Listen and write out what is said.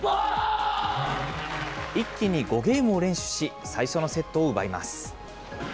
一気に５ゲームを連取し、最初のセットを奪います。